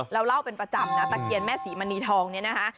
เล่าเป็นประจำนะตะเคียนแม่ศรีมณีทองเนี่ยนะคะ